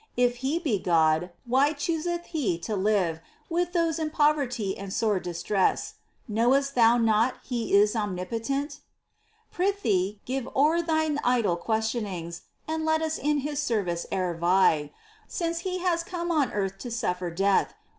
If He be God, why chooseth He to live With those in poverty and sore distress ?— Knowest thou not He is omnipotent ? Prithee, give o'er thine idle questionings And let us in His service ever vie ; Since He has come on earth to suffer death.